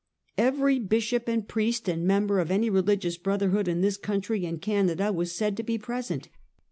Every bishop and priest and member of any reli gious brotherhood in tliis country and Canada was said to be present.